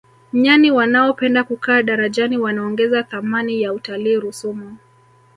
nyani wanaopenda kukaa darajani wanaongeza thamani ya utalii rusumo